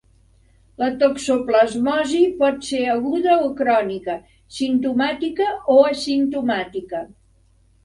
La toxoplasmosi pot ser aguda o crònica, simptomàtica o asimptomàtica.